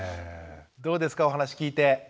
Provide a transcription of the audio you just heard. どうですかお話聞いて。